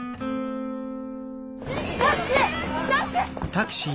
タクシー！